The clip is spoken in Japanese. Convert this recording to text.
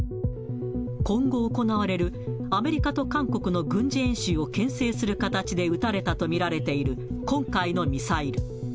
今後行われる、アメリカと韓国の軍事演習をけん制する形で撃たれたと見られている今回のミサイル。